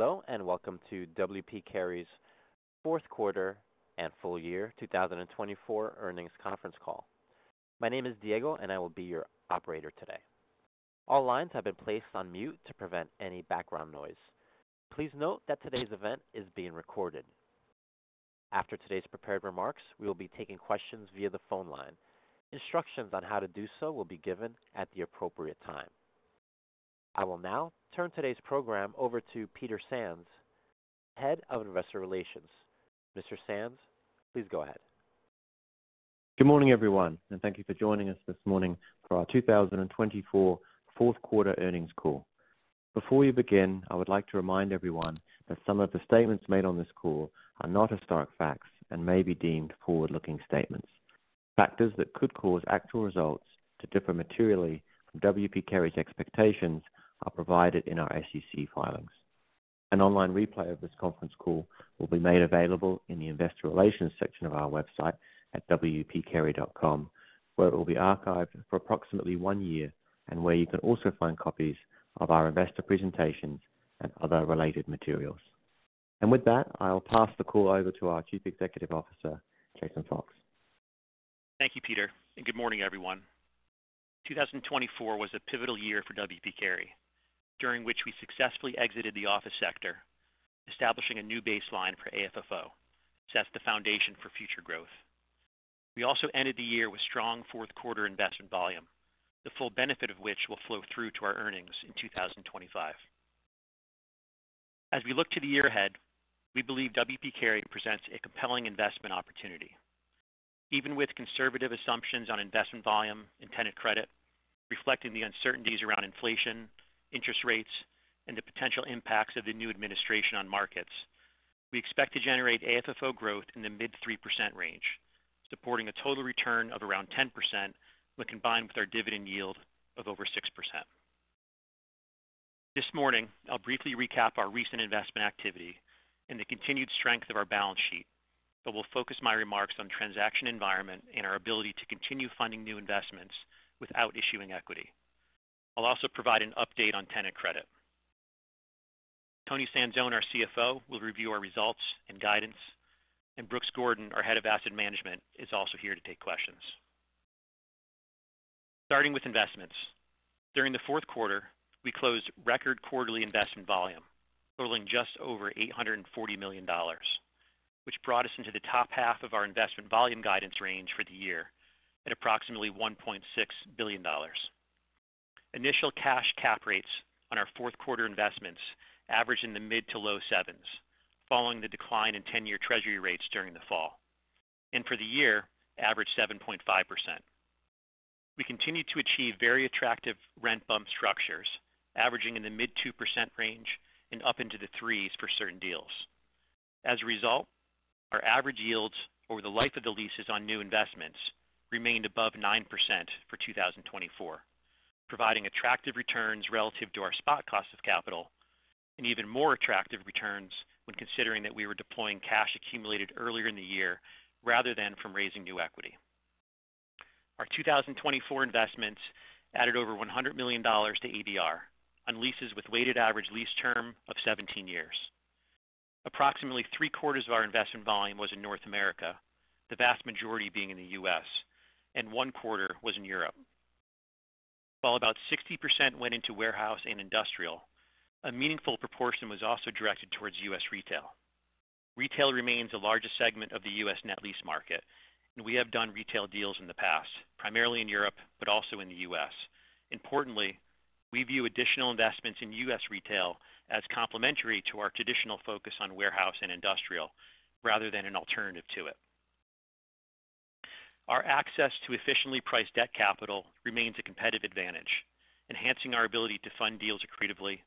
Hello, and welcome to W. P. Carey's fourth quarter and full year 2024 earnings conference call. My name is Diego, and I will be your operator today. All lines have been placed on mute to prevent any background noise. Please note that today's event is being recorded. After today's prepared remarks, we will be taking questions via the phone line. Instructions on how to do so will be given at the appropriate time. I will now turn today's program over to Peter Sands, Head of Investor Relations. Mr. Sands, please go ahead. Good morning, everyone, and thank you for joining us this morning for our 2024 fourth quarter earnings call. Before we begin, I would like to remind everyone that some of the statements made on this call are not historic facts and may be deemed forward-looking statements. Factors that could cause actual results to differ materially from W. P. Carey's expectations are provided in our SEC filings. An online replay of this conference call will be made available in the Investor Relations section of our website at wpcarey.com, where it will be archived for approximately one year and where you can also find copies of our investor presentations and other related materials. And with that, I'll pass the call over to our Chief Executive Officer, Jason Fox. Thank you, Peter, and good morning, everyone. 2024 was a pivotal year for W. P. Carey, during which we successfully exited the office sector, establishing a new baseline for AFFO. Set the foundation for future growth. We also ended the year with strong fourth quarter investment volume, the full benefit of which will flow through to our earnings in 2025. As we look to the year ahead, we believe W. P. Carey presents a compelling investment opportunity, even with conservative assumptions on investment volume and tenant credit, reflecting the uncertainties around inflation, interest rates, and the potential impacts of the new administration on markets. We expect to generate AFFO growth in the mid-3% range, supporting a total return of around 10% when combined with our dividend yield of over 6%. This morning, I'll briefly recap our recent investment activity and the continued strength of our balance sheet, but will focus my remarks on the transaction environment and our ability to continue funding new investments without issuing equity. I'll also provide an update on tenant credit. Toni Sanzone, our CFO, will review our results and guidance, and Brooks Gordon, our Head of Asset Management, is also here to take questions. Starting with investments, during the fourth quarter, we closed record quarterly investment volume totaling just over $840 million, which brought us into the top half of our investment volume guidance range for the year at approximately $1.6 billion. Initial cash cap rates on our fourth quarter investments averaged in the mid to low sevens, following the decline in 10-year Treasury rates during the fall, and for the year, averaged 7.5%. We continued to achieve very attractive rent bump structures, averaging in the mid-2% range and up into the threes for certain deals. As a result, our average yields over the life of the leases on new investments remained above 9% for 2024, providing attractive returns relative to our spot cost of capital, and even more attractive returns when considering that we were deploying cash accumulated earlier in the year rather than from raising new equity. Our 2024 investments added over $100 million to ABR on leases with a weighted average lease term of 17 years. Approximately three quarters of our investment volume was in North America, the vast majority being in the U.S., and one quarter was in Europe. While about 60% went into warehouse and industrial, a meaningful proportion was also directed towards U.S. retail. Retail remains the largest segment of the U.S. net lease market, and we have done retail deals in the past, primarily in Europe but also in the U.S. Importantly, we view additional investments in U.S. retail as complementary to our traditional focus on warehouse and industrial rather than an alternative to it. Our access to efficiently priced debt capital remains a competitive advantage, enhancing our ability to fund deals accretively,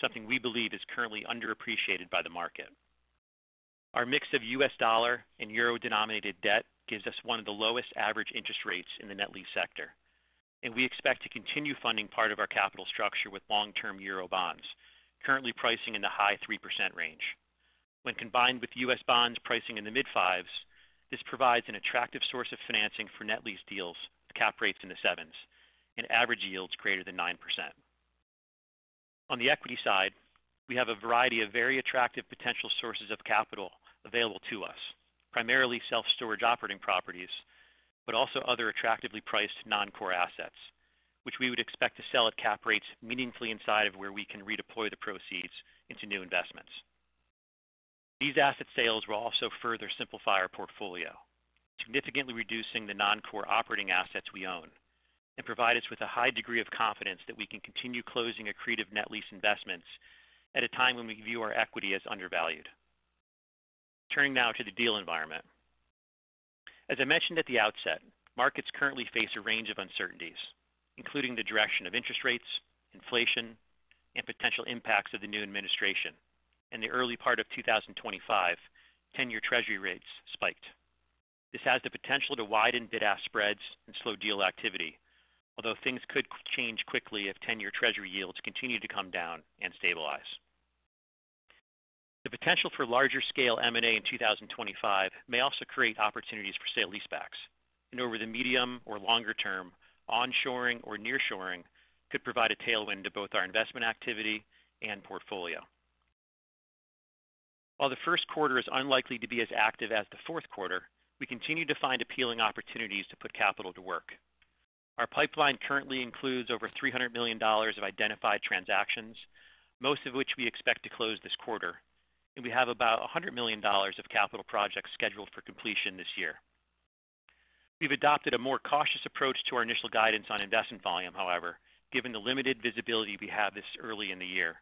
something we believe is currently underappreciated by the market. Our mix of U.S. dollar and euro-denominated debt gives us one of the lowest average interest rates in the net lease sector, and we expect to continue funding part of our capital structure with long-term euro bonds, currently pricing in the high 3% range. When combined with U.S. bonds pricing in the mid-fives, this provides an attractive source of financing for net lease deals with cap rates in the sevens and average yields greater than 9%. On the equity side, we have a variety of very attractive potential sources of capital available to us, primarily self-storage operating properties, but also other attractively priced non-core assets, which we would expect to sell at cap rates meaningfully inside of where we can redeploy the proceeds into new investments. These asset sales will also further simplify our portfolio, significantly reducing the non-core operating assets we own and provide us with a high degree of confidence that we can continue closing accretive net lease investments at a time when we view our equity as undervalued. Turning now to the deal environment. As I mentioned at the outset, markets currently face a range of uncertainties, including the direction of interest rates, inflation, and potential impacts of the new administration, and the early part of 2025, 10-year Treasury rates spiked. This has the potential to widen bid-ask spreads and slow deal activity, although things could change quickly if 10-year Treasury yields continue to come down and stabilize. The potential for larger-scale M&A in 2025 may also create opportunities for sale-leasebacks, and over the medium or longer term, onshoring or nearshoring could provide a tailwind to both our investment activity and portfolio. While the first quarter is unlikely to be as active as the fourth quarter, we continue to find appealing opportunities to put capital to work. Our pipeline currently includes over $300 million of identified transactions, most of which we expect to close this quarter, and we have about $100 million of capital projects scheduled for completion this year. We've adopted a more cautious approach to our initial guidance on investment volume, however, given the limited visibility we have this early in the year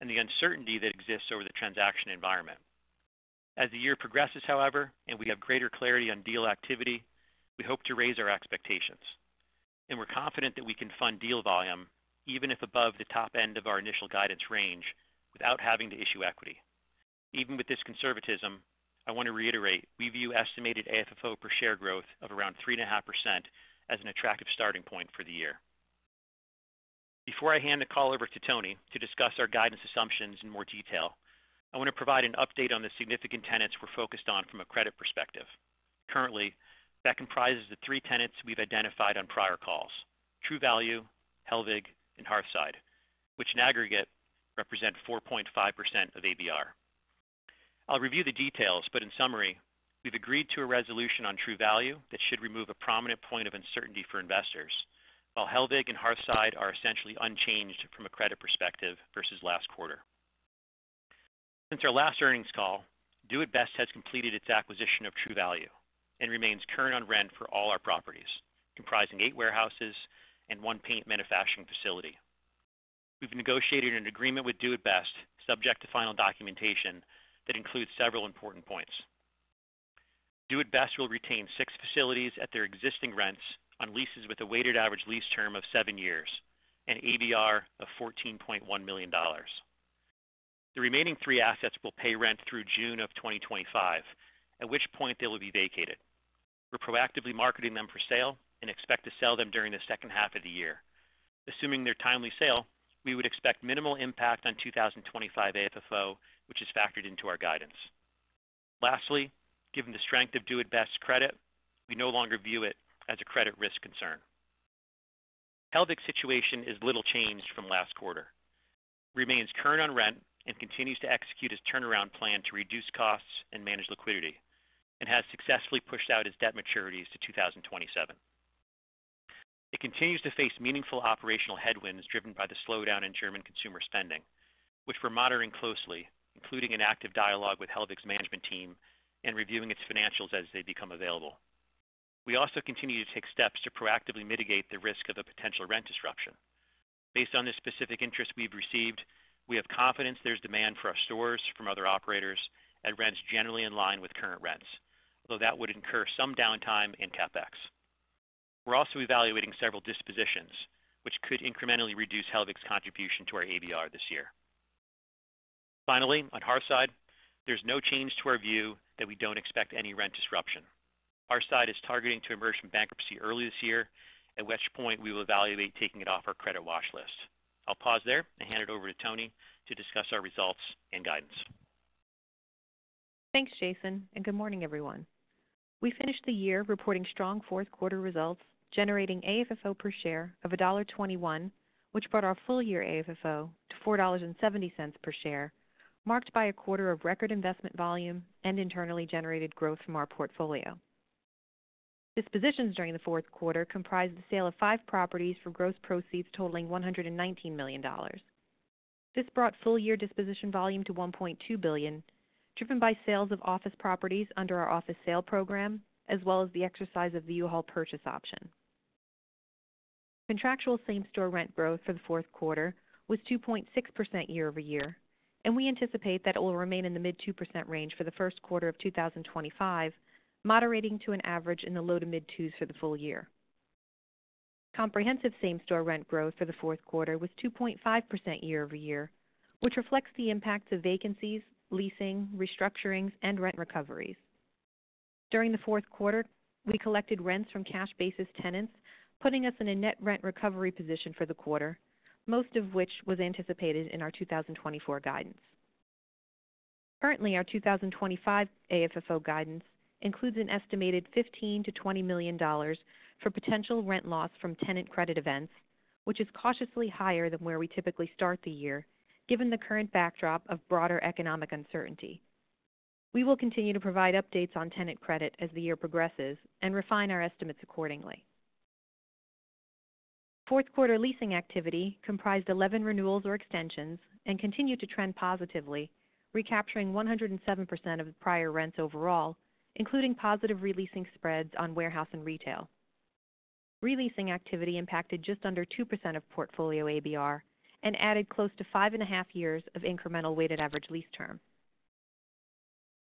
and the uncertainty that exists over the transaction environment. As the year progresses, however, and we have greater clarity on deal activity, we hope to raise our expectations, and we're confident that we can fund deal volume even if above the top end of our initial guidance range without having to issue equity. Even with this conservatism, I want to reiterate we view estimated AFFO per share growth of around 3.5% as an attractive starting point for the year. Before I hand the call over to Toni to discuss our guidance assumptions in more detail, I want to provide an update on the significant tenants we're focused on from a credit perspective. Currently, that comprises the three tenants we've identified on prior calls: True Value, Hellweg, and Hearthside, which in aggregate represent 4.5% of ABR. I'll review the details, but in summary, we've agreed to a resolution on True Value that should remove a prominent point of uncertainty for investors, while Hellweg and Hearthside are essentially unchanged from a credit perspective versus last quarter. Since our last earnings call, Do it Best has completed its acquisition of True Value and remains current on rent for all our properties, comprising eight warehouses and one paint manufacturing facility. We've negotiated an agreement with Do it Best, subject to final documentation that includes several important points. Do it Best will retain six facilities at their existing rents on leases with a weighted average lease term of seven years and ABR of $14.1 million. The remaining three assets will pay rent through June of 2025, at which point they will be vacated. We're proactively marketing them for sale and expect to sell them during the second half of the year. Assuming their timely sale, we would expect minimal impact on 2025 AFFO, which is factored into our guidance. Lastly, given the strength of Do it Best's credit, we no longer view it as a credit risk concern. Hellweg's situation is little changed from last quarter. It remains current on rent and continues to execute its turnaround plan to reduce costs and manage liquidity, and has successfully pushed out its debt maturities to 2027. It continues to face meaningful operational headwinds driven by the slowdown in German consumer spending, which we're monitoring closely, including an active dialogue with Hellweg's management team and reviewing its financials as they become available. We also continue to take steps to proactively mitigate the risk of a potential rent disruption. Based on the specific interest we've received, we have confidence there's demand for our stores from other operators, and rent's generally in line with current rents, although that would incur some downtime and CapEx. We're also evaluating several dispositions, which could incrementally reduce Hellweg's contribution to our ABR this year. Finally, on Hearthside, there's no change to our view that we don't expect any rent disruption. Hearthside is targeting to emerge from bankruptcy early this year, at which point we will evaluate taking it off our credit watch list. I'll pause there and hand it over to Toni to discuss our results and guidance. Thanks, Jason, and good morning, everyone. We finished the year reporting strong fourth quarter results, generating AFFO per share of $1.21, which brought our full year AFFO to $4.70 per share, marked by a quarter of record investment volume and internally generated growth from our portfolio. Dispositions during the fourth quarter comprised the sale of five properties for gross proceeds totaling $119 million. This brought full year disposition volume to $1.2 billion, driven by sales of office properties under our office sale program, as well as the exercise of the U-Haul purchase option. Contractual same-store rent growth for the fourth quarter was 2.6% year-over-year, and we anticipate that it will remain in the mid-2% range for the first quarter of 2025, moderating to an average in the low to mid-two's for the full year. Comprehensive same-store rent growth for the fourth quarter was 2.5% year-over-year, which reflects the impacts of vacancies, leasing, restructurings, and rent recoveries. During the fourth quarter, we collected rents from cash-basis tenants, putting us in a net rent recovery position for the quarter, most of which was anticipated in our 2024 guidance. Currently, our 2025 AFFO guidance includes an estimated $15 million-$20 million for potential rent loss from tenant credit events, which is cautiously higher than where we typically start the year, given the current backdrop of broader economic uncertainty. We will continue to provide updates on tenant credit as the year progresses and refine our estimates accordingly. Fourth quarter leasing activity comprised 11 renewals or extensions and continued to trend positively, recapturing 107% of the prior rents overall, including positive releasing spreads on warehouse and retail. Releasing activity impacted just under 2% of portfolio ABR and added close to five and a half years of incremental weighted average lease term.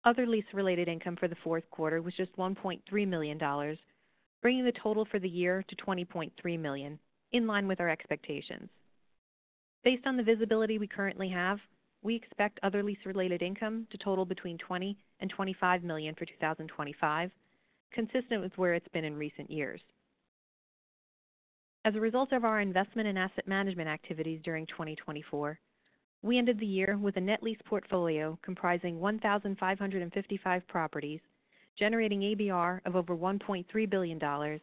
Other lease-related income for the fourth quarter was just $1.3 million, bringing the total for the year to $20.3 million, in line with our expectations. Based on the visibility we currently have, we expect other lease-related income to total between $20 million and $25 million for 2025, consistent with where it's been in recent years. As a result of our investment and asset management activities during 2024, we ended the year with a net lease portfolio comprising 1,555 properties, generating ABR of over $1.3 billion,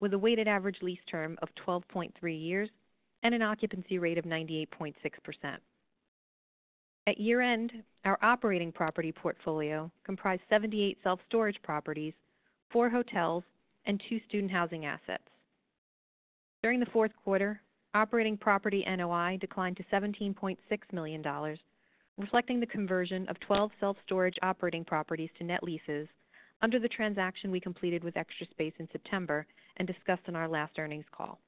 with a weighted average lease term of 12.3 years and an occupancy rate of 98.6%. At year-end, our operating property portfolio comprised 78 self-storage properties, four hotels, and two student housing assets. During the fourth quarter, operating property NOI declined to $17.6 million, reflecting the conversion of 12 self-storage operating properties to net leases under the transaction we completed with Extra Space in September and discussed on our last earnings call.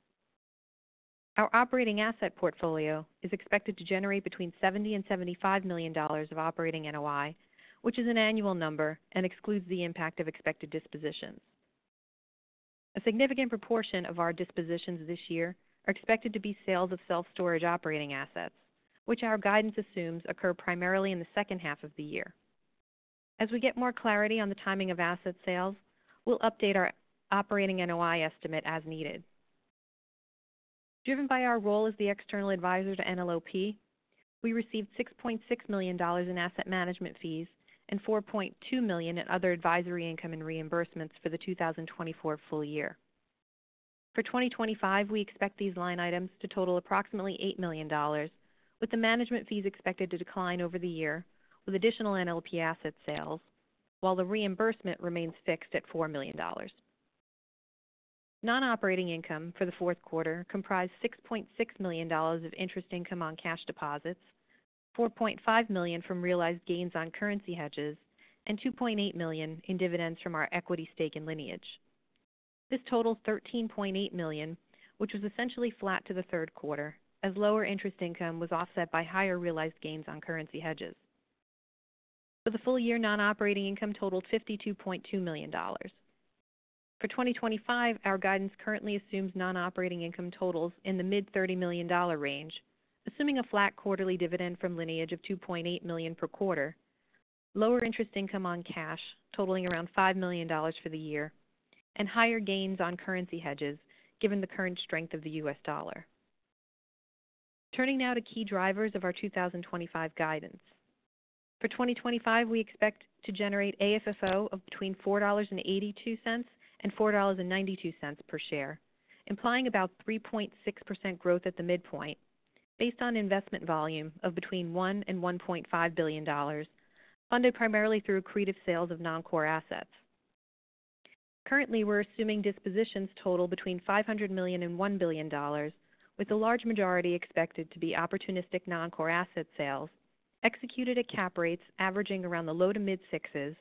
Our operating asset portfolio is expected to generate between $70 million and $75 million of operating NOI, which is an annual number and excludes the impact of expected dispositions. A significant proportion of our dispositions this year are expected to be sales of self-storage operating assets, which our guidance assumes occur primarily in the second half of the year. As we get more clarity on the timing of asset sales, we'll update our operating NOI estimate as needed. Driven by our role as the external advisor to NLOP, we received $6.6 million in asset management fees and $4.2 million in other advisory income and reimbursements for the 2024 full year. For 2025, we expect these line items to total approximately $8 million, with the management fees expected to decline over the year with additional NLOP asset sales, while the reimbursement remains fixed at $4 million. Non-operating income for the fourth quarter comprised $6.6 million of interest income on cash deposits, $4.5 million from realized gains on currency hedges, and $2.8 million in dividends from our equity stake in Lineage. This totals $13.8 million, which was essentially flat to the third quarter, as lower interest income was offset by higher realized gains on currency hedges. For the full year, non-operating income totaled $52.2 million. For 2025, our guidance currently assumes non-operating income totals in the mid-$30 million range, assuming a flat quarterly dividend from Lineage of $2.8 million per quarter, lower interest income on cash totaling around $5 million for the year, and higher gains on currency hedges, given the current strength of the U.S. dollar. Turning now to key drivers of our 2025 guidance. For 2025, we expect to generate AFFO of between $4.82-$4.92 per share, implying about 3.6% growth at the midpoint, based on investment volume of between $1 billion-$1.5 billion, funded primarily through accretive sales of non-core assets. Currently, we're assuming dispositions total between $500 million-$1 billion, with the large majority expected to be opportunistic non-core asset sales, executed at cap rates averaging around the low to mid-sixes,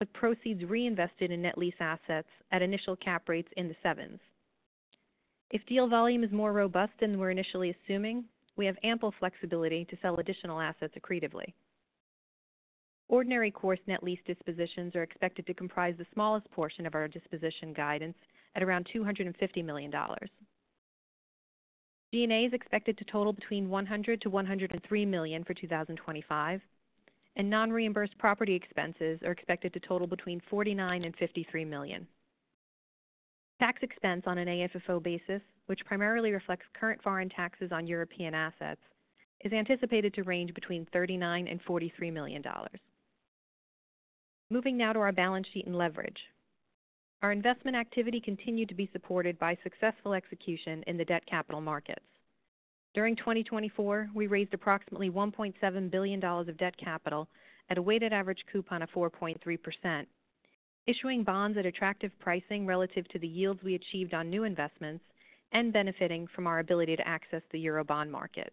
with proceeds reinvested in net lease assets at initial cap rates in the sevens. If deal volume is more robust than we're initially assuming, we have ample flexibility to sell additional assets accretively. Ordinary course net lease dispositions are expected to comprise the smallest portion of our disposition guidance at around $250 million. G&A is expected to total between $100 million-$103 million for 2025, and non-reimbursed property expenses are expected to total between $49 million-$53 million. Tax expense on an AFFO basis, which primarily reflects current foreign taxes on European assets, is anticipated to range between $39 million-$43 million. Moving now to our balance sheet and leverage. Our investment activity continued to be supported by successful execution in the debt capital markets. During 2024, we raised approximately $1.7 billion of debt capital at a weighted average coupon of 4.3%, issuing bonds at attractive pricing relative to the yields we achieved on new investments and benefiting from our ability to access the euro bond market.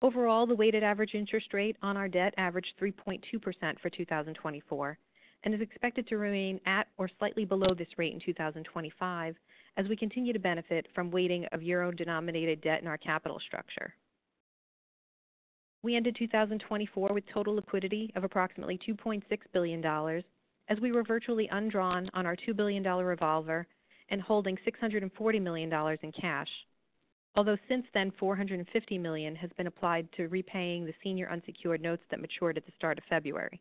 Overall, the weighted average interest rate on our debt averaged 3.2% for 2024 and is expected to remain at or slightly below this rate in 2025, as we continue to benefit from weighting of euro-denominated debt in our capital structure. We ended 2024 with total liquidity of approximately $2.6 billion, as we were virtually undrawn on our $2 billion revolver and holding $640 million in cash, although since then $450 million has been applied to repaying the senior unsecured notes that matured at the start of February.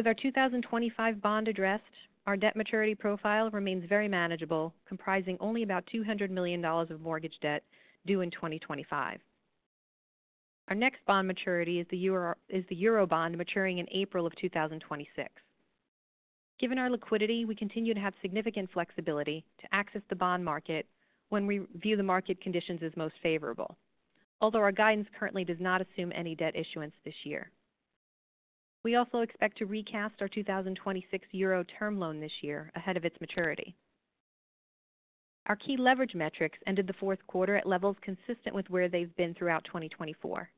With our 2025 bond addressed, our debt maturity profile remains very manageable, comprising only about $200 million of mortgage debt due in 2025. Our next bond maturity is the euro bond maturing in April of 2026. Given our liquidity, we continue to have significant flexibility to access the bond market when we view the market conditions as most favorable, although our guidance currently does not assume any debt issuance this year. We also expect to recast our 2026 euro term loan this year ahead of its maturity. Our key leverage metrics ended the fourth quarter at levels consistent with where they've been throughout 2024.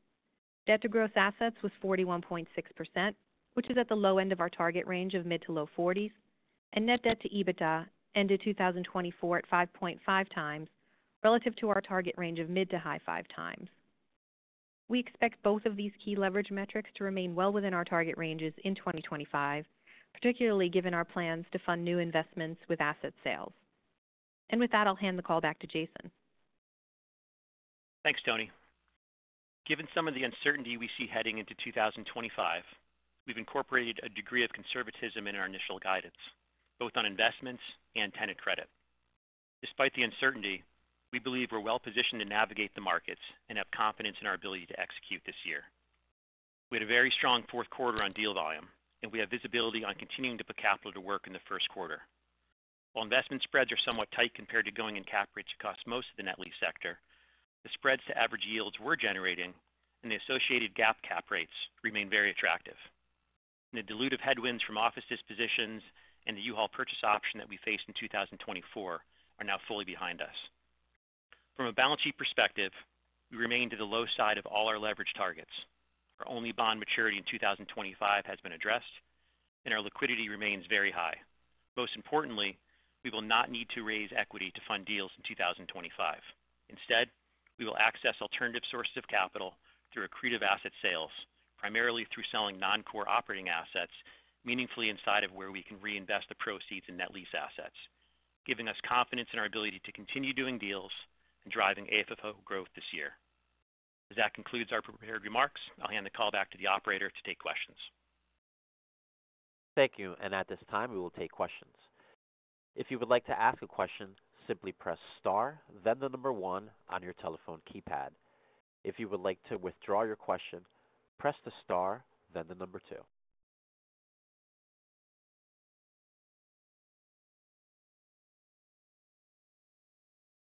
Debt to gross assets was 41.6%, which is at the low end of our target range of mid to low 40s, and net debt to EBITDA ended 2024 at 5.5 times relative to our target range of mid to high 5 times. We expect both of these key leverage metrics to remain well within our target ranges in 2025, particularly given our plans to fund new investments with asset sales. And with that, I'll hand the call back to Jason. Thanks, Toni. Given some of the uncertainty we see heading into 2025, we've incorporated a degree of conservatism in our initial guidance, both on investments and tenant credit. Despite the uncertainty, we believe we're well positioned to navigate the markets and have confidence in our ability to execute this year. We had a very strong fourth quarter on deal volume, and we have visibility on continuing to put capital to work in the first quarter. While investment spreads are somewhat tight compared to going in cap rates across most of the net lease sector, the spreads to average yields we're generating and the associated GAAP cap rates remain very attractive, and the dilutive headwinds from office dispositions and the U-Haul purchase option that we faced in 2024 are now fully behind us. From a balance sheet perspective, we remain to the low side of all our leverage targets. Our only bond maturity in 2025 has been addressed, and our liquidity remains very high. Most importantly, we will not need to raise equity to fund deals in 2025. Instead, we will access alternative sources of capital through accretive asset sales, primarily through selling non-core operating assets meaningfully inside of where we can reinvest the proceeds in net lease assets, giving us confidence in our ability to continue doing deals and driving AFFO growth this year. As that concludes our prepared remarks, I'll hand the call back to the operator to take questions. Thank you, and at this time, we will take questions. If you would like to ask a question, simply press Star, then the number one on your telephone keypad. If you would like to withdraw your question, press the Star, then the number two.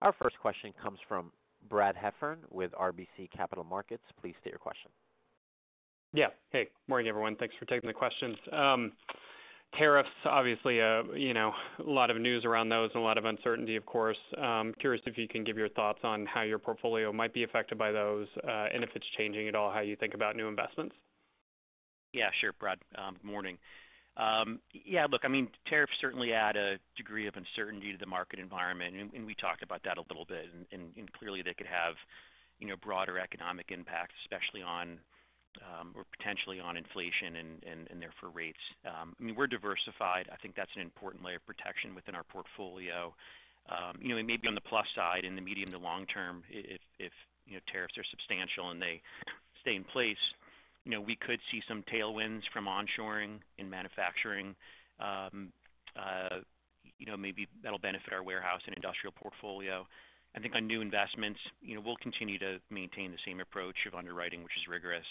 Our first question comes from Brad Heffern with RBC Capital Markets. Please state your question. Yeah. Hey, Morning, everyone. Thanks for taking the questions. Tariffs, obviously, a lot of news around those and a lot of uncertainty, of course. Curious if you can give your thoughts on how your portfolio might be affected by those and if it's changing at all how you think about new investments. Yeah, sure, Brad. Good morning. Yeah, look, I mean, tariffs certainly add a degree of uncertainty to the market environment, and we talked about that a little bit. And clearly, they could have broader economic impacts, especially or potentially on inflation and therefore rates. I mean, we're diversified. I think that's an important layer of protection within our portfolio. It may be on the plus side in the medium to long term if tariffs are substantial and they stay in place. We could see some tailwinds from onshoring in manufacturing. Maybe that'll benefit our warehouse and industrial portfolio. I think on new investments, we'll continue to maintain the same approach of underwriting, which is rigorous.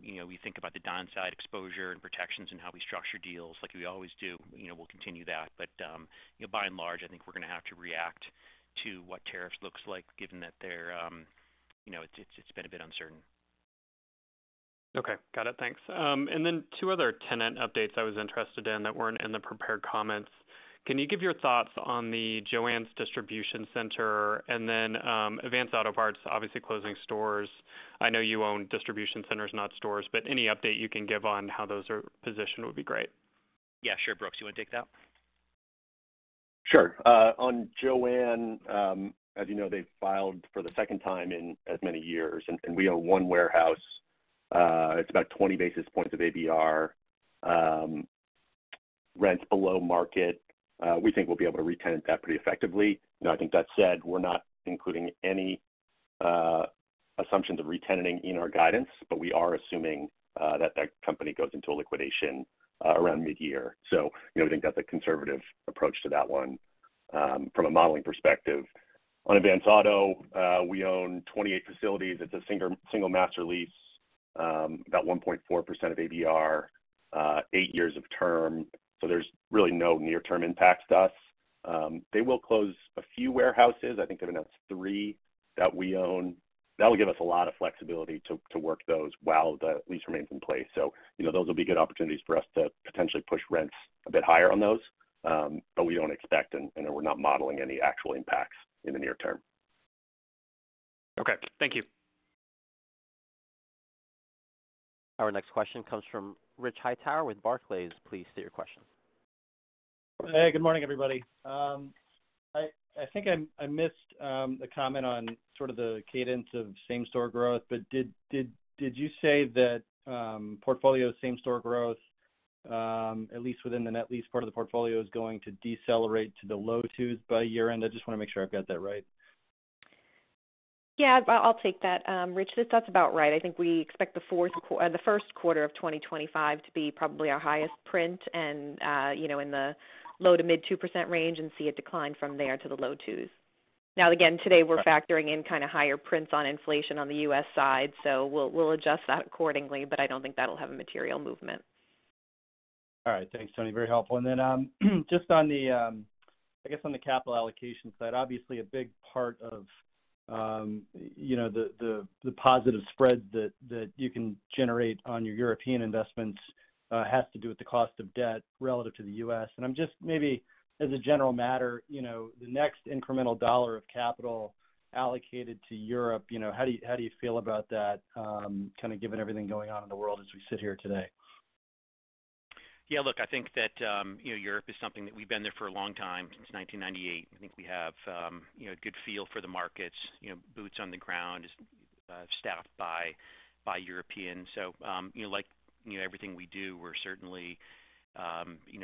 We think about the downside exposure and protections and how we structure deals, like we always do. We'll continue that. But by and large, I think we're going to have to react to what tariffs look like, given that it's been a bit uncertain. Okay. Got it. Thanks. And then two other tenant updates I was interested in that weren't in the prepared comments. Can you give your thoughts on the Joann's Distribution Center and then Advance Auto Parts, obviously closing stores? I know you own distribution centers, not stores, but any update you can give on how those are positioned would be great. Yeah, sure. Brooks, you want to take that? Sure. On Joann, as you know, they've filed for the second time in as many years, and we own one warehouse. It's about 20 basis points of ABR. Rent's below market. We think we'll be able to re-tenant that pretty effectively. That said, we're not including any assumptions of re-tenanting in our guidance, but we are assuming that that company goes into a liquidation around mid-year. So I think that's a conservative approach to that one from a modeling perspective. On Advance Auto, we own 28 facilities. It's a single master lease, about 1.4% of ABR, eight years of term. So there's really no near-term impacts to us. They will close a few warehouses. I think they've announced three that we own. That'll give us a lot of flexibility to work those while the lease remains in place. So those will be good opportunities for us to potentially push rents a bit higher on those. But we don't expect, and we're not modeling any actual impacts in the near term. Okay. Thank you. Our next question comes from Rich Hightower with Barclays. Please state your question. Hey, good morning, everybody. I think I missed the comment on sort of the cadence of same-store growth, but did you say that portfolio same-store growth, at least within the net lease part of the portfolio, is going to decelerate to the low twos by year-end? I just want to make sure I've got that right. Yeah, I'll take that, Rich. That's about right. I think we expect the first quarter of 2025 to be probably our highest print in the low to mid-2% range and see a decline from there to the low twos. Now, again, today we're factoring in kind of higher prints on inflation on the U.S. side, so we'll adjust that accordingly, but I don't think that'll have a material movement. All right. Thanks, Toni. Very helpful. And then just on the, I guess, on the capital allocation side, obviously a big part of the positive spread that you can generate on your European investments has to do with the cost of debt relative to the U.S. And I'm just maybe, as a general matter, the next incremental dollar of capital allocated to Europe, how do you feel about that, kind of given everything going on in the world as we sit here today? Yeah, look, I think that Europe is something that we've been there for a long time, since 1998. I think we have a good feel for the markets, boots on the ground, staffed by Europeans. So like everything we do, we're certainly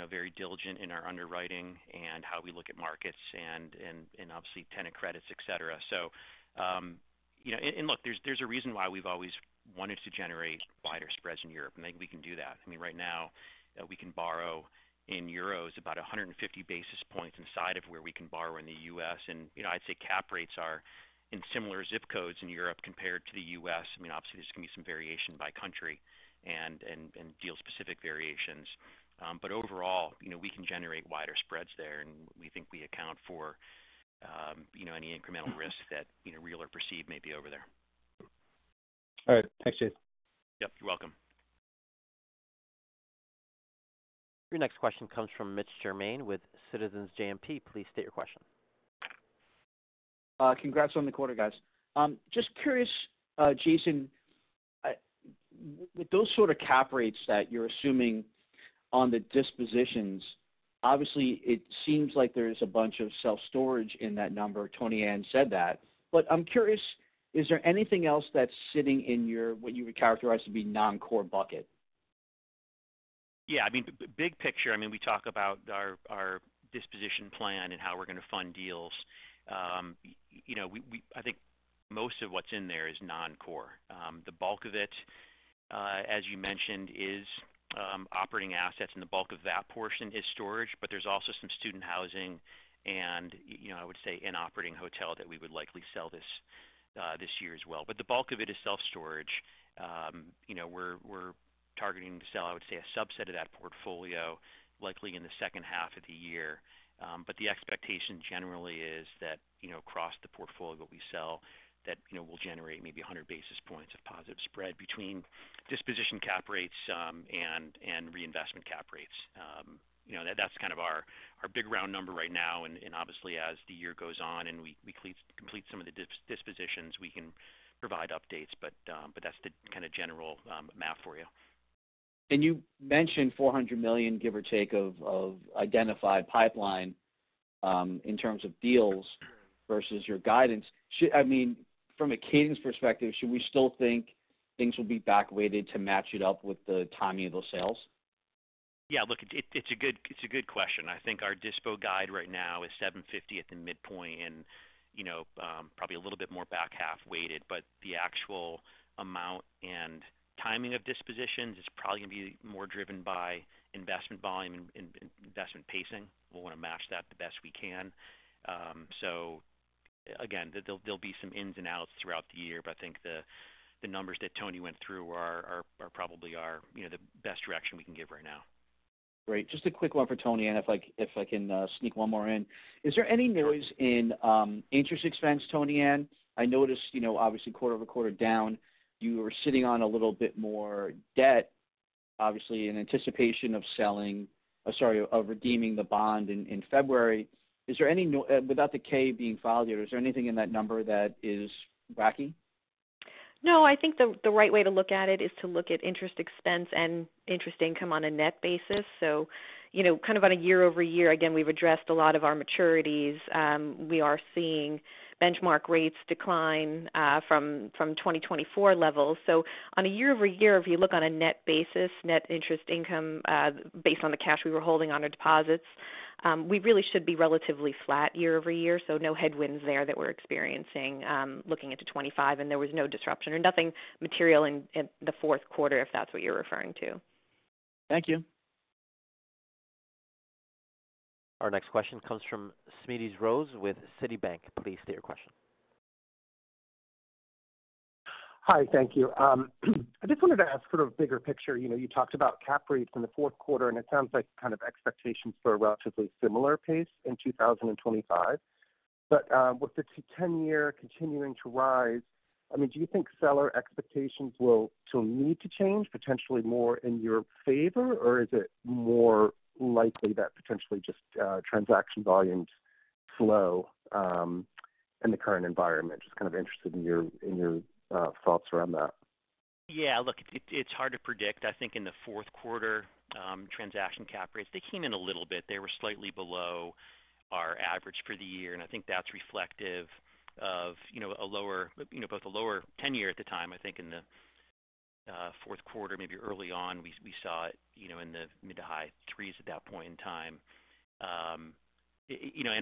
very diligent in our underwriting and how we look at markets and obviously tenant credits, etc. And look, there's a reason why we've always wanted to generate wider spreads in Europe. I think we can do that. I mean, right now, we can borrow in euros about 150 basis points inside of where we can borrow in the U.S. And I'd say cap rates are in similar zip codes in Europe compared to the U.S. I mean, obviously, there's going to be some variation by country and deal-specific variations. But overall, we can generate wider spreads there, and we think we account for any incremental risks that real or perceived may be over there. All right. Thanks, Jason. Yep. You're welcome. Your next question comes from Mitch Germain with Citizens JMP. Please state your question. Congrats on the quarter, guys. Just curious, Jason, with those sort of cap rates that you're assuming on the dispositions, obviously, it seems like there's a bunch of self-storage in that number. ToniAnn said that. But I'm curious, is there anything else that's sitting in what you would characterize to be non-core bucket? Yeah. I mean, big picture, I mean, we talk about our disposition plan and how we're going to fund deals. I think most of what's in there is non-core. The bulk of it, as you mentioned, is operating assets, and the bulk of that portion is storage. But there's also some student housing and, I would say, an operating hotel that we would likely sell this year as well. But the bulk of it is self-storage. We're targeting to sell, I would say, a subset of that portfolio, likely in the second half of the year. But the expectation generally is that across the portfolio we sell, that we'll generate maybe 100 basis points of positive spread between disposition cap rates and reinvestment cap rates. That's kind of our big round number right now. Obviously, as the year goes on and we complete some of the dispositions, we can provide updates, but that's the kind of general math for you. You mentioned $400 million, give or take, of identified pipeline in terms of deals versus your guidance. I mean, from a cadence perspective, should we still think things will be back-weighted to match it up with the timing of those sales? Yeah. Look, it's a good question. I think our dispo guide right now is $750 at the midpoint and probably a little bit more back half weighted. But the actual amount and timing of dispositions is probably going to be more driven by investment volume and investment pacing. We'll want to match that the best we can. So again, there'll be some ins and outs throughout the year, but I think the numbers that Toni went through are probably the best direction we can give right now. Great. Just a quick one for ToniAnn and if I can sneak one more in. Is there any noise in interest expense, ToniAnn? I noticed, obviously, quarter-over-quarter down, you were sitting on a little bit more debt, obviously, in anticipation of selling or, sorry, of redeeming the bond in February. Is there any without the K being filed here, is there anything in that number that is wacky? No, I think the right way to look at it is to look at interest expense and interest income on a net basis. So kind of on a year-over-year, again, we've addressed a lot of our maturities. We are seeing benchmark rates decline from 2024 levels. So on a year-over-year, if you look on a net basis, net interest income based on the cash we were holding on our deposits, we really should be relatively flat year-over-year. So no headwinds there that we're experiencing looking into 2025, and there was no disruption or nothing material in the fourth quarter, if that's what you're referring to. Thank you. Our next question comes from Smedes Rose with Citibank. Please state your question. Hi, thank you. I just wanted to ask for a bigger picture. You talked about cap rates in the fourth quarter, and it sounds like kind of expectations for a relatively similar pace in 2025. But with the 10-year continuing to rise, I mean, do you think seller expectations will need to change potentially more in your favor, or is it more likely that potentially just transaction volumes slow in the current environment? Just kind of interested in your thoughts around that. Yeah. Look, it's hard to predict. I think in the fourth quarter, transaction cap rates, they came in a little bit. They were slightly below our average for the year, and I think that's reflective of both a lower 10-year at the time. I think in the fourth quarter, maybe early on, we saw it in the mid to high threes at that point in time. And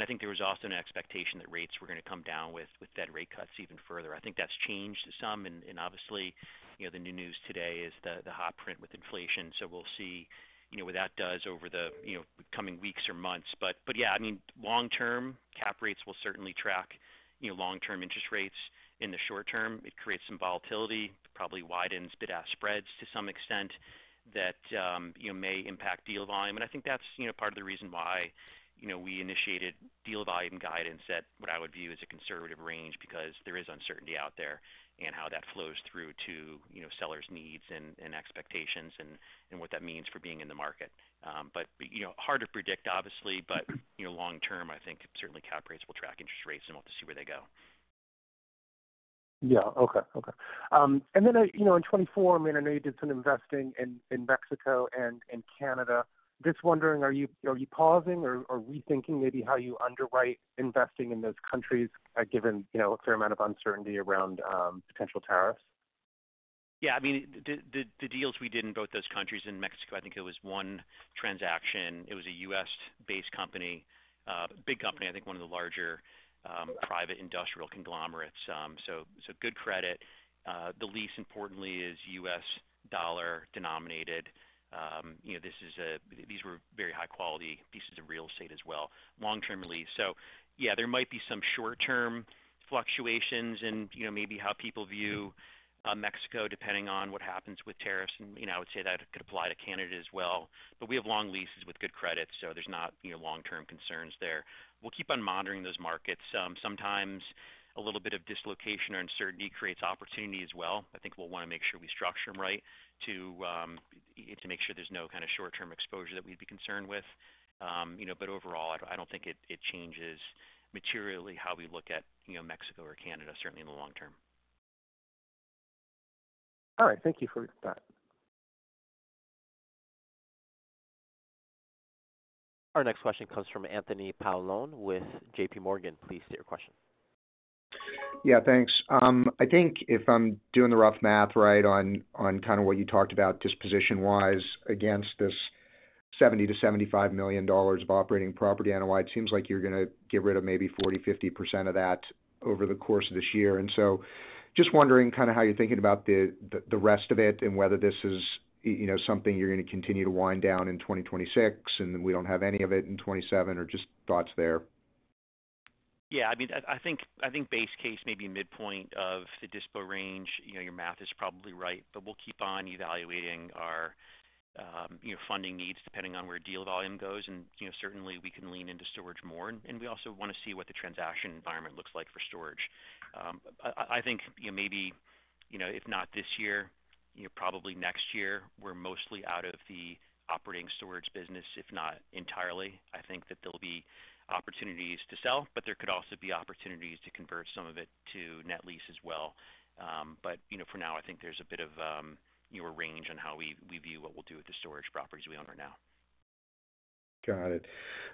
I think there was also an expectation that rates were going to come down with Fed rate cuts even further. I think that's changed to some. And obviously, the new news today is the hot print with inflation. So we'll see what that does over the coming weeks or months. But yeah, I mean, long-term, cap rates will certainly track long-term interest rates. In the short term, it creates some volatility, probably widens bid-ask spreads to some extent that may impact deal volume. I think that's part of the reason why we initiated deal volume guidance at what I would view as a conservative range because there is uncertainty out there and how that flows through to sellers' needs and expectations and what that means for being in the market. Hard to predict, obviously, but long-term, I think certainly cap rates will track interest rates and we'll have to see where they go. And then in 2024, I mean, I know you did some investing in Mexico and in Canada. Just wondering, are you pausing or rethinking maybe how you underwrite investing in those countries given a fair amount of uncertainty around potential tariffs? Yeah. I mean, the deals we did in both those countries in Mexico, I think it was one transaction. It was a U.S.-based company, big company, I think one of the larger private industrial conglomerates. So good credit. The lease, importantly, is U.S. dollar denominated. These were very high-quality pieces of real estate as well. Long-term lease. So yeah, there might be some short-term fluctuations in maybe how people view Mexico depending on what happens with tariffs. And I would say that could apply to Canada as well. But we have long leases with good credit, so there's not long-term concerns there. We'll keep on monitoring those markets. Sometimes a little bit of dislocation or uncertainty creates opportunity as well. I think we'll want to make sure we structure them right to make sure there's no kind of short-term exposure that we'd be concerned with. But overall, I don't think it changes materially how we look at Mexico or Canada, certainly in the long term. All right. Thank you for that. Our next question comes from Anthony Paolone with JPMorgan. Please state your question. Yeah. Thanks. I think if I'm doing the rough math right on kind of what you talked about disposition-wise against this $70 million-$75 million of operating property annualized, it seems like you're going to get rid of maybe 40%-50% of that over the course of this year. And so just wondering kind of how you're thinking about the rest of it and whether this is something you're going to continue to wind down in 2026 and we don't have any of it in 2027 or just thoughts there? Yeah. I mean, I think base case, maybe midpoint of the dispo range, your math is probably right, but we'll keep on evaluating our funding needs depending on where deal volume goes. And certainly, we can lean into storage more. And we also want to see what the transaction environment looks like for storage. I think maybe if not this year, probably next year, we're mostly out of the operating storage business, if not entirely. I think that there'll be opportunities to sell, but there could also be opportunities to convert some of it to net lease as well. But for now, I think there's a bit of a range on how we view what we'll do with the storage properties we own right now. Got it.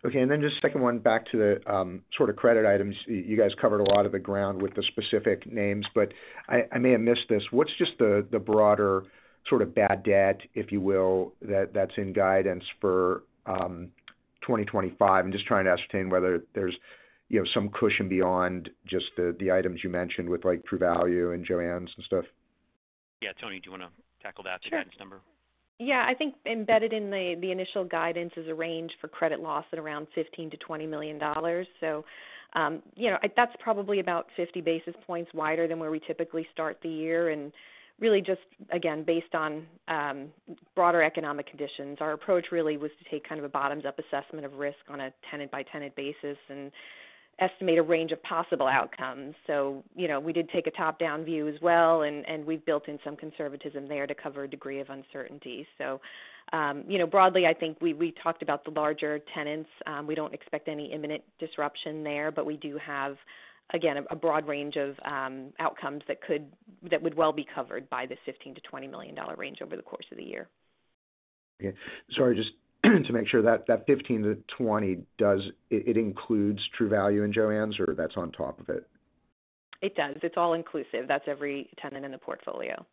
Okay. And then just second one back to the sort of credit items. You guys covered a lot of the ground with the specific names, but I may have missed this. What's just the broader sort of bad debt, if you will, that's in guidance for 2025? I'm just trying to ascertain whether there's some cushion beyond just the items you mentioned with True Value and Joann and stuff. Yeah. Toni, do you want to tackle that cadence number? Yeah. I think embedded in the initial guidance is a range for credit loss at around $15 million-$20 million. So that's probably about 50 basis points wider than where we typically start the year. And really just, again, based on broader economic conditions, our approach really was to take kind of a bottoms-up assessment of risk on a tenant-by-tenant basis and estimate a range of possible outcomes. So we did take a top-down view as well, and we've built in some conservatism there to cover a degree of uncertainty. So broadly, I think we talked about the larger tenants. We don't expect any imminent disruption there, but we do have, again, a broad range of outcomes that would well be covered by this $15 million-$20 million range over the course of the year. Okay. Sorry, just to make sure that that $15-$20, it includes True Value and Joann's, or that's on top of it? It does. It's all inclusive. That's every tenant in the portfolio.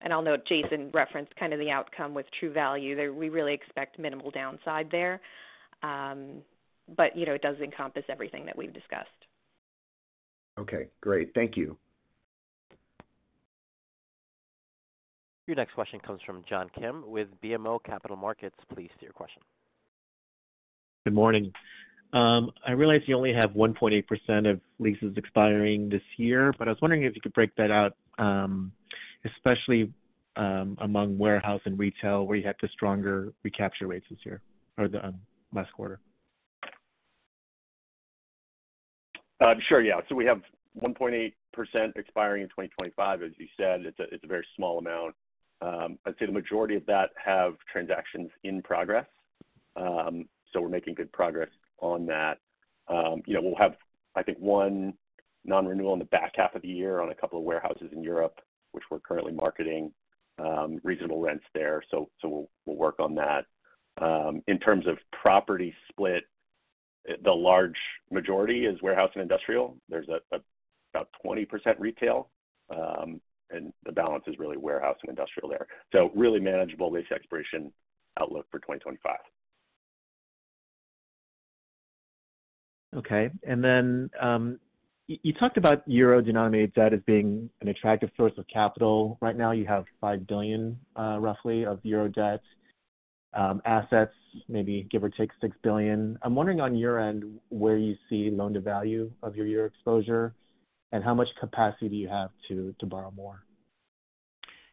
And I'll note Jason referenced kind of the outcome with True Value. We really expect minimal downside there, but it does encompass everything that we've discussed. Okay. Great. Thank you. Your next question comes from John Kim with BMO Capital Markets. Please state your question. Good morning. I realize you only have 1.8% of leases expiring this year, but I was wondering if you could break that out, especially among warehouse and retail where you had the stronger recapture rates this year or the last quarter? Sure. Yeah. So we have 1.8% expiring in 2025, as you said. It's a very small amount. I'd say the majority of that have transactions in progress. So we're making good progress on that. We'll have, I think, one non-renewal in the back half of the year on a couple of warehouses in Europe, which we're currently marketing. Reasonable rents there. So we'll work on that. In terms of property split, the large majority is warehouse and industrial. There's about 20% retail, and the balance is really warehouse and industrial there. So really manageable lease expiration outlook for 2025. Okay. And then you talked about Euro-denominated debt as being an attractive source of capital. Right now, you have $5 billion roughly of euro debt. Assets, maybe give or take $6 billion. I'm wondering on your end where you see loan-to-value of your euro exposure and how much capacity do you have to borrow more?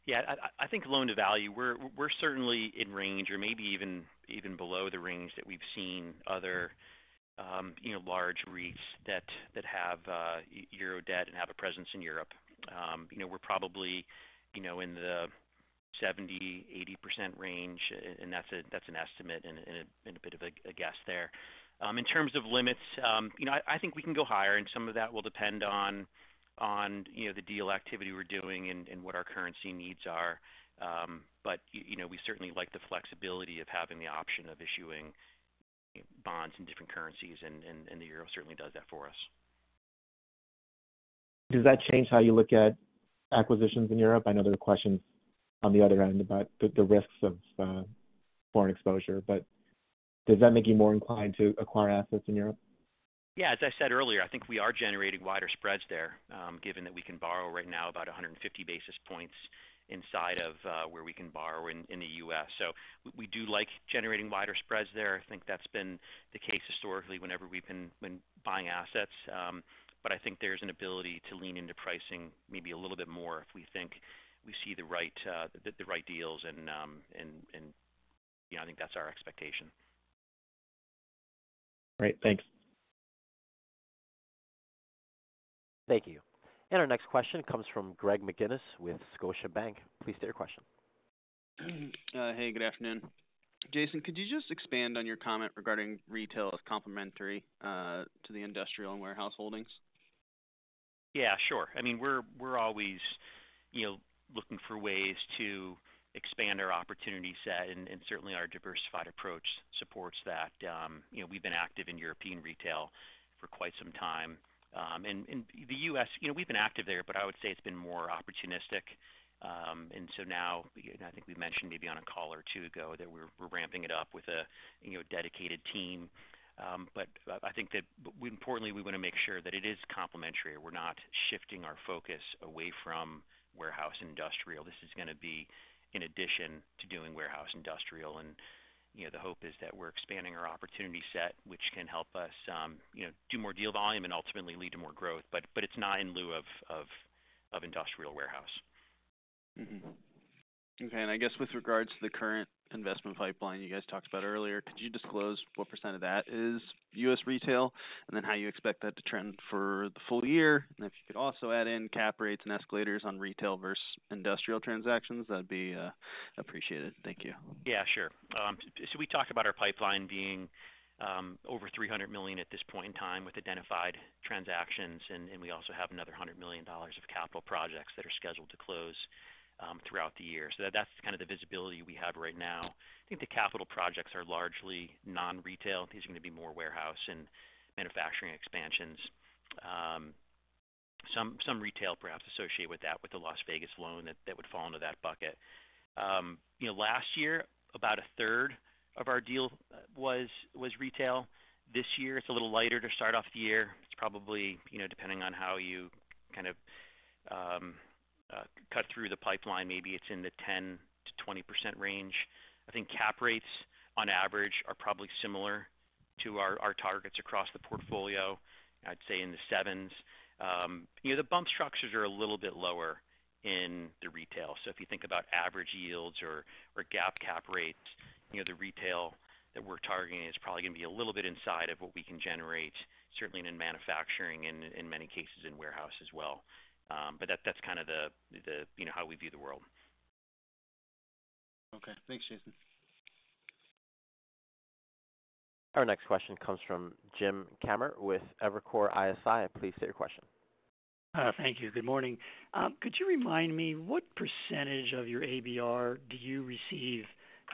Yeah. I think loan-to-value, we're certainly in range or maybe even below the range that we've seen other large REITs that have Euro debt and have a presence in Europe. We're probably in the 70%-80% range, and that's an estimate and a bit of a guess there. In terms of limits, I think we can go higher, and some of that will depend on the deal activity we're doing and what our currency needs are. But we certainly like the flexibility of having the option of issuing bonds in different currencies, and the Euro certainly does that for us. Does that change how you look at acquisitions in Europe? I know there are questions on the other end about the risks of foreign exposure, but does that make you more inclined to acquire assets in Europe? Yeah. As I said earlier, I think we are generating wider spreads there, given that we can borrow right now about 150 basis points inside of where we can borrow in the U.S. So we do like generating wider spreads there. I think that's been the case historically whenever we've been buying assets. But I think there's an ability to lean into pricing maybe a little bit more if we think we see the right deals, and I think that's our expectation. Great. Thanks. Thank you. And our next question comes from Greg McGinnis with Scotiabank. Please state your question. Hey, good afternoon. Jason, could you just expand on your comment regarding retail as complementary to the industrial and warehouse holdings? Yeah. Sure. I mean, we're always looking for ways to expand our opportunity set, and certainly our diversified approach supports that. We've been active in European retail for quite some time, and the U.S., we've been active there, but I would say it's been more opportunistic, and so now, I think we mentioned maybe on a call or two ago that we're ramping it up with a dedicated team, but I think that importantly, we want to make sure that it is complementary. We're not shifting our focus away from warehouse industrial. This is going to be in addition to doing warehouse industrial, and the hope is that we're expanding our opportunity set, which can help us do more deal volume and ultimately lead to more growth, but it's not in lieu of industrial warehouse. Okay. And I guess with regards to the current investment pipeline you guys talked about earlier, could you disclose what % of that is U.S. retail and then how you expect that to trend for the full year? And if you could also add in cap rates and escalators on retail versus industrial transactions, that'd be appreciated? Thank you. Yeah. Sure. So we talked about our pipeline being over $300 million at this point in time with identified transactions, and we also have another $100 million of capital projects that are scheduled to close throughout the year. So that's kind of the visibility we have right now. I think the capital projects are largely non-retail. These are going to be more warehouse and manufacturing expansions. Some retail perhaps associated with that with the Las Vegas loan that would fall into that bucket. Last year, about a third of our deal was retail. This year, it's a little lighter to start off the year. It's probably depending on how you kind of cut through the pipeline. Maybe it's in the 10%-20% range. I think cap rates, on average, are probably similar to our targets across the portfolio. I'd say in the 7s. The bump structures are a little bit lower in the retail. So if you think about average yields or cap rates, the retail that we're targeting is probably going to be a little bit inside of what we can generate, certainly in manufacturing and in many cases in warehouse as well. But that's kind of how we view the world. Okay. Thanks, Jason. Our next question comes from Jim Kammert with Evercore ISI. Please state your question. Thank you. Good morning. Could you remind me what percentage of your ABR do you receive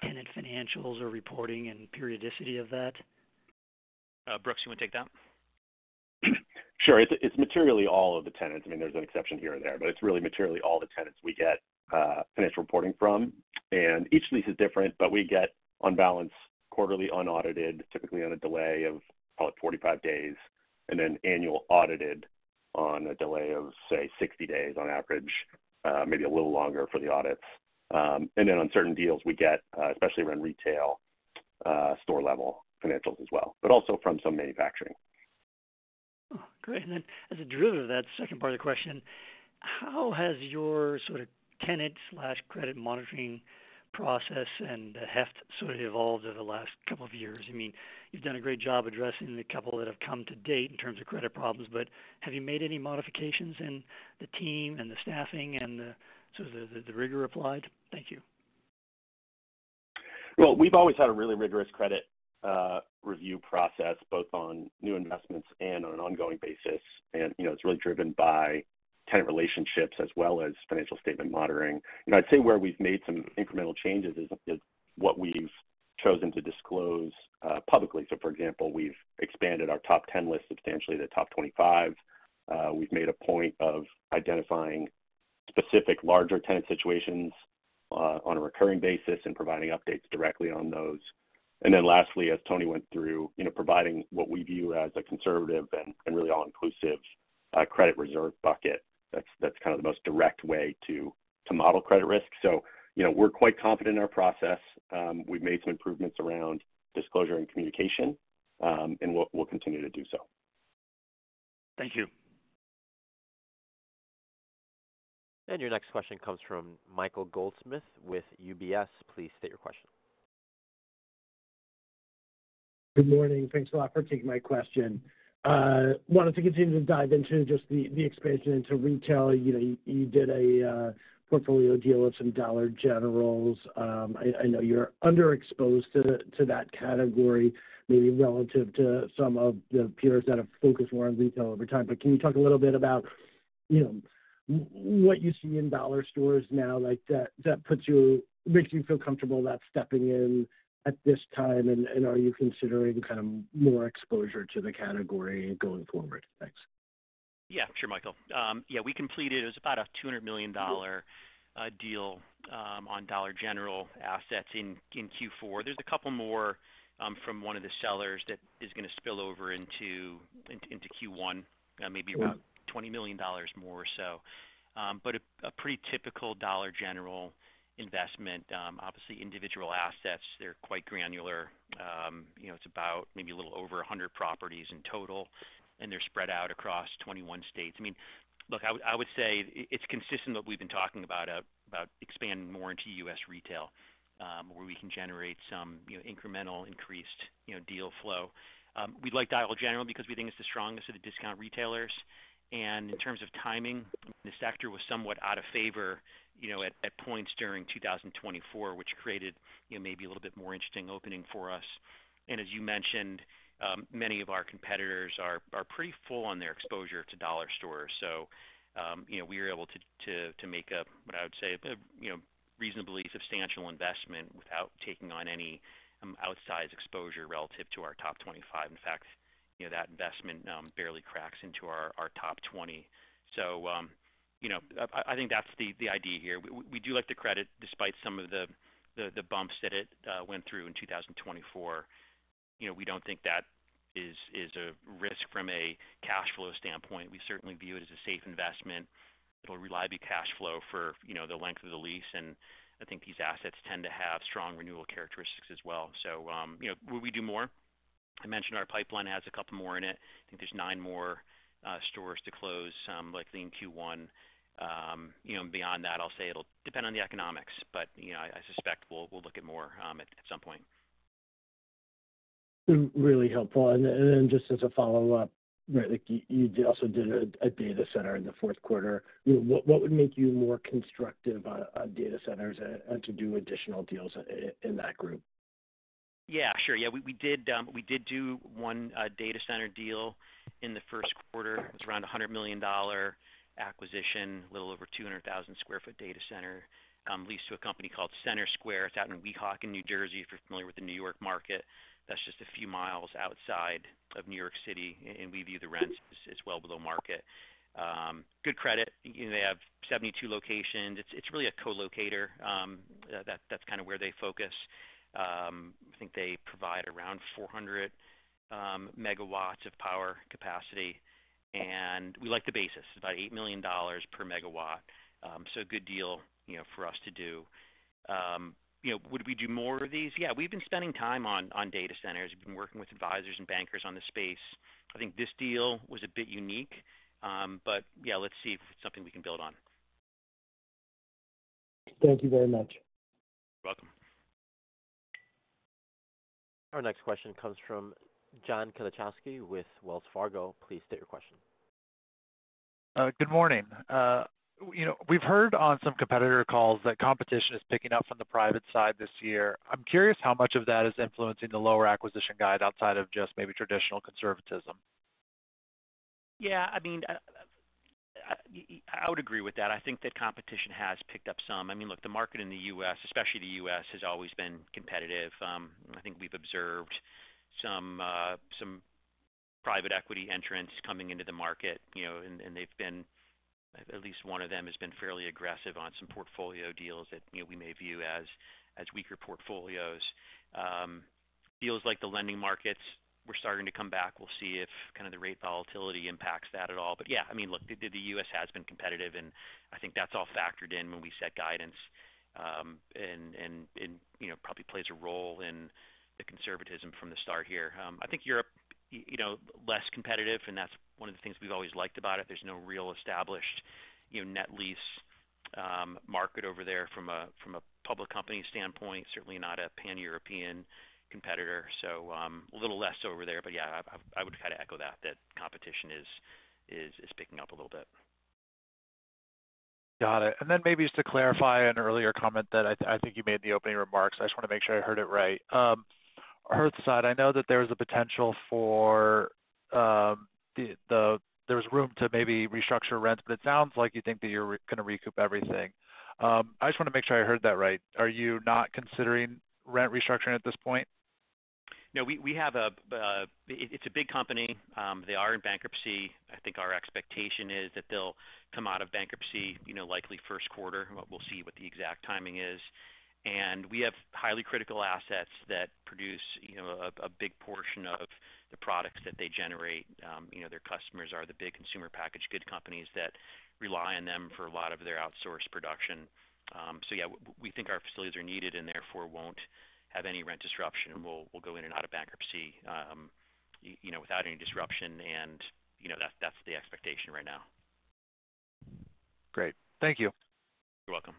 tenant financials or reporting and periodicity of that? Brooks, you want to take that? Sure. It's materially all of the tenants. I mean, there's an exception here and there, but it's really materially all the tenants we get financial reporting from. And each lease is different, but we get on balance quarterly unaudited, typically on a delay of probably 45 days, and then annual audited on a delay of, say, 60 days on average, maybe a little longer for the audits. And then on certain deals, we get, especially around retail, store-level financials as well, but also from some manufacturing. Great. And then as a derivative of that second part of the question, how has your sort of tenant/credit monitoring process and the HEFT sort of evolved over the last couple of years? I mean, you've done a great job addressing the couple that have come to date in terms of credit problems, but have you made any modifications in the team and the staffing and sort of the rigor applied? Thank you. We've always had a really rigorous credit review process, both on new investments and on an ongoing basis. It's really driven by tenant relationships as well as financial statement monitoring. I'd say where we've made some incremental changes is what we've chosen to disclose publicly. For example, we've expanded our top 10 list substantially to top 25. We've made a point of identifying specific larger tenant situations on a recurring basis and providing updates directly on those. As Toni went through, providing what we view as a conservative and really all-inclusive credit reserve bucket. That's kind of the most direct way to model credit risk. We're quite confident in our process. We've made some improvements around disclosure and communication, and we'll continue to do so. Thank you. Your next question comes from Michael Goldsmith with UBS. Please state your question. Good morning. Thanks a lot for taking my question. Wanted to continue to dive into just the expansion into retail. You did a portfolio deal with some Dollar Generals. I know you're underexposed to that category, maybe relative to some of the peers that have focused more on retail over time. But can you talk a little bit about what you see in dollar stores now that makes you feel comfortable that stepping in at this time? And are you considering kind of more exposure to the category going forward? Thanks. Yeah. Sure, Michael. Yeah. We completed it. It was about a $200 million deal on Dollar General assets in Q4. There's a couple more from one of the sellers that is going to spill over into Q1, maybe about $20 million more or so. But a pretty typical Dollar General investment, obviously individual assets, they're quite granular. It's about maybe a little over 100 properties in total, and they're spread out across 21 states. I mean, look, I would say it's consistent with what we've been talking about, about expanding more into U.S. retail, where we can generate some incremental increased deal flow. We like Dollar General because we think it's the strongest of the discount retailers. And in terms of timing, the sector was somewhat out of favor at points during 2024, which created maybe a little bit more interesting opening for us. As you mentioned, many of our competitors are pretty full on their exposure to dollar stores. We were able to make a, what I would say, reasonably substantial investment without taking on any outsized exposure relative to our top 25. In fact, that investment barely cracks into our top 20. I think that's the idea here. We do like the credit, despite some of the bumps that it went through in 2024. We don't think that is a risk from a cash flow standpoint. We certainly view it as a safe investment. It'll reliably cash flow for the length of the lease. I think these assets tend to have strong renewal characteristics as well. Will we do more? I mentioned our pipeline has a couple more in it. I think there's nine more stores to close, likely in Q1. Beyond that, I'll say it'll depend on the economics, but I suspect we'll look at more at some point. Really helpful. And then just as a follow-up, you also did a data center in the fourth quarter. What would make you more constructive on data centers and to do additional deals in that group? Yeah. Sure. Yeah. We did do one data center deal in the first quarter. It was around a $100 million acquisition, a little over 200,000 sq ft data center, leased to a company called Centersquare. It's out in Weehawken in New Jersey, if you're familiar with the New York market. That's just a few miles outside of New York City, and we view the rents as well below market. Good credit. They have 72 locations. It's really a co-locator. That's kind of where they focus. I think they provide around 400 megawatts of power capacity. And we like the basis. It's about $8 million per megawatt. So a good deal for us to do. Would we do more of these? Yeah. We've been spending time on data centers. We've been working with advisors and bankers on the space. I think this deal was a bit unique, but yeah, let's see if it's something we can build on. Thank you very much. You're welcome. Our next question comes from John Kilichowski with Wells Fargo. Please state your question. Good morning. We've heard on some competitor calls that competition is picking up from the private side this year. I'm curious how much of that is influencing the lower acquisition guide outside of just maybe traditional conservatism? Yeah. I mean, I would agree with that. I think that competition has picked up some. I mean, look, the market in the U.S., especially the U.S., has always been competitive. I think we've observed some private equity entrants coming into the market, and they've been, at least one of them has been, fairly aggressive on some portfolio deals that we may view as weaker portfolios. Deals like the lending markets were starting to come back. We'll see if kind of the rate volatility impacts that at all. But yeah, I mean, look, the U.S. has been competitive, and I think that's all factored in when we set guidance and probably plays a role in the conservatism from the start here. I think Europe is less competitive, and that's one of the things we've always liked about it. There's no real established net lease market over there from a public company standpoint, certainly not a pan-European competitor. So a little less over there. But yeah, I would kind of echo that, that competition is picking up a little bit. Got it. And then maybe just to clarify an earlier comment that I think you made in the opening remarks, I just want to make sure I heard it right. Hearthside, I know that there is a potential for there was room to maybe restructure rents, but it sounds like you think that you're going to recoup everything. I just want to make sure I heard it right. Are you not considering rent restructuring at this point? No. It's a big company. They are in bankruptcy. I think our expectation is that they'll come out of bankruptcy, likely first quarter. We'll see what the exact timing is, and we have highly critical assets that produce a big portion of the products that they generate. Their customers are the big consumer packaged goods companies that rely on them for a lot of their outsource production. So yeah, we think our facilities are needed and therefore won't have any rent disruption, and we'll go in and out of bankruptcy without any disruption, and that's the expectation right now. Great. Thank you. You're welcome.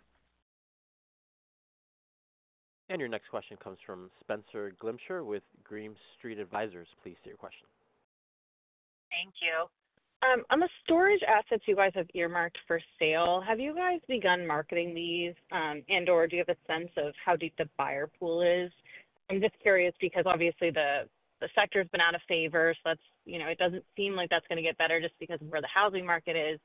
Your next question comes from Spenser Glimcher with Green Street Advisors. Please state your question. Thank you. On the storage assets you guys have earmarked for sale, have you guys begun marketing these? And/or do you have a sense of how deep the buyer pool is? I'm just curious because obviously the sector has been out of favor, so it doesn't seem like that's going to get better just because of where the housing market is.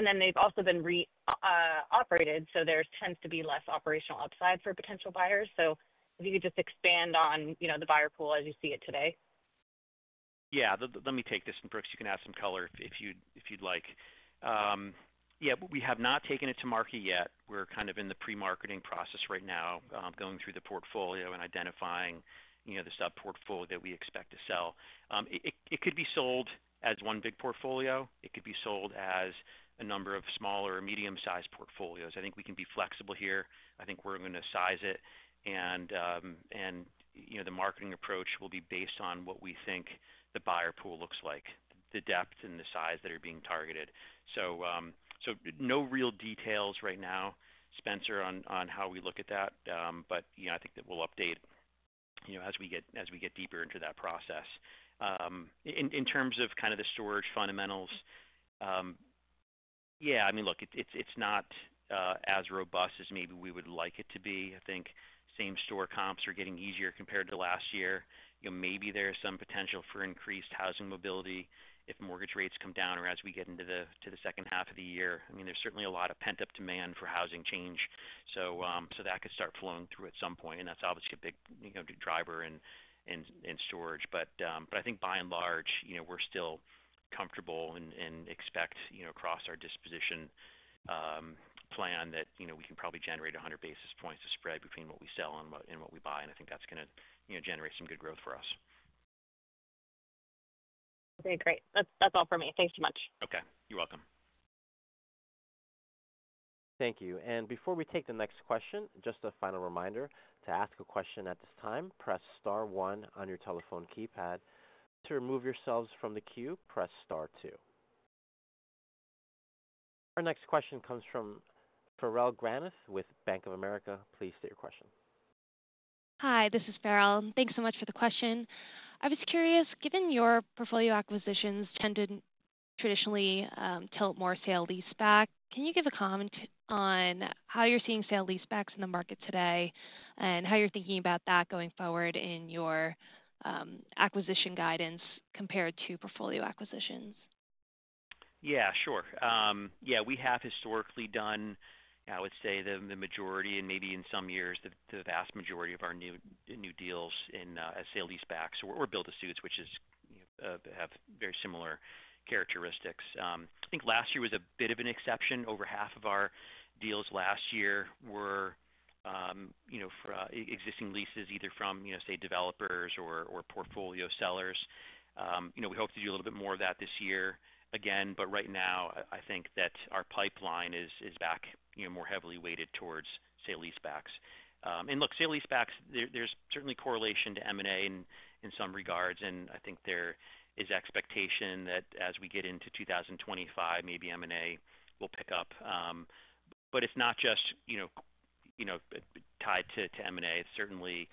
And then they've also been re-operated, so there tends to be less operational upside for potential buyers. So if you could just expand on the buyer pool as you see it today. Yeah. Let me take this, and Brooks, you can add some color if you'd like. Yeah. We have not taken it to market yet. We're kind of in the pre-marketing process right now, going through the portfolio and identifying the sub-portfolio that we expect to sell. It could be sold as one big portfolio. It could be sold as a number of smaller or medium-sized portfolios. I think we can be flexible here. I think we're going to size it, and the marketing approach will be based on what we think the buyer pool looks like, the depth and the size that are being targeted. So no real details right now, Spencer, on how we look at that, but I think that we'll update as we get deeper into that process. In terms of kind of the storage fundamentals, yeah, I mean, look, it's not as robust as maybe we would like it to be. I think same store comps are getting easier compared to last year. Maybe there is some potential for increased housing mobility if mortgage rates come down or as we get into the second half of the year. I mean, there's certainly a lot of pent-up demand for housing change. So that could start flowing through at some point, and that's obviously a big driver in storage. But I think by and large, we're still comfortable and expect across our disposition plan that we can probably generate 100 basis points of spread between what we sell and what we buy. And I think that's going to generate some good growth for us. Okay. Great. That's all for me. Thanks so much. Okay. You're welcome. Thank you. And before we take the next question, just a final reminder to ask a question at this time, press star one on your telephone keypad. To remove yourselves from the queue, press star two. Our next question comes from Farrell Granath with Bank of America. Please state your question. Hi, this is Farrell. Thanks so much for the question. I was curious, given your portfolio acquisitions tended traditionally to more sale-leaseback, can you give a comment on how you're seeing sale-leasebacks in the market today and how you're thinking about that going forward in your acquisition guidance compared to portfolio acquisitions? Yeah. Sure. Yeah. We have historically done, I would say, the majority and maybe in some years the vast majority of our new deals as sale-leasebacks, so we're build-to-suits, which have very similar characteristics. I think last year was a bit of an exception. Over half of our deals last year were existing leases either from, say, developers or portfolio sellers. We hope to do a little bit more of that this year again, but right now, I think that our pipeline is back more heavily weighted towards, say, sale-leasebacks, and look, sale-leasebacks, there's certainly correlation to M&A in some regards, and I think there is expectation that as we get into 2025, maybe M&A will pick up, but it's not just tied to M&A. Certainly,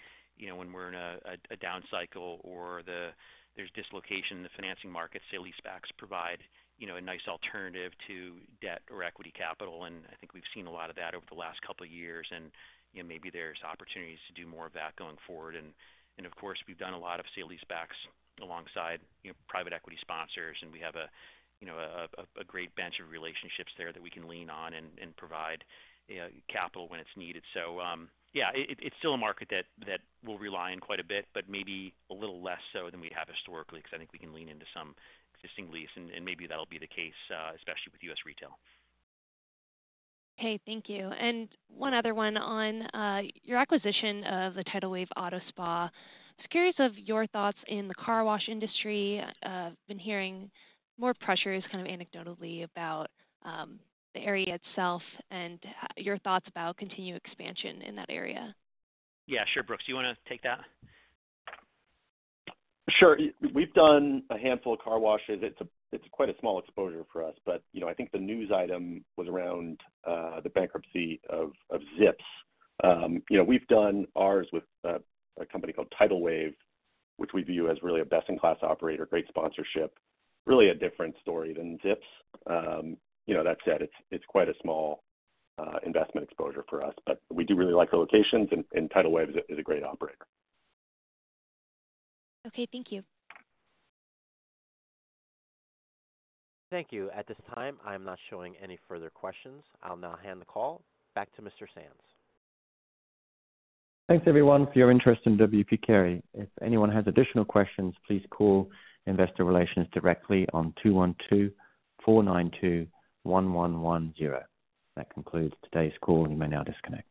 when we're in a down cycle or there's dislocation in the financing markets, sale-leasebacks provide a nice alternative to debt or equity capital. And I think we've seen a lot of that over the last couple of years. And maybe there's opportunities to do more of that going forward. And of course, we've done a lot of sale-leasebacks alongside private equity sponsors, and we have a great bench of relationships there that we can lean on and provide capital when it's needed. So yeah, it's still a market that we'll rely on quite a bit, but maybe a little less so than we have historically because I think we can lean into some existing lease. And maybe that'll be the case, especially with U.S. retail. Okay. Thank you. And one other one on your acquisition of the Tidal Wave Auto Spa. I was curious of your thoughts in the car wash industry. I've been hearing more pressures kind of anecdotally about the area itself and your thoughts about continued expansion in that area. Yeah. Sure, Brooks. Do you want to take that? Sure. We've done a handful of car washes. It's quite a small exposure for us, but I think the news item was around the bankruptcy of Zips. We've done ours with a company called Tidal Wave, which we view as really a best-in-class operator, great sponsorship, really a different story than Zips. That said, it's quite a small investment exposure for us, but we do really like the locations, and Tidal Wave is a great operator. Okay. Thank you. Thank you. At this time, I'm not showing any further questions. I'll now hand the call back to Mr. Sands. Thanks, everyone, for your interest in W. P. Carey. If anyone has additional questions, please call Investor Relations directly on 212-492-1110. That concludes today's call, and you may now disconnect.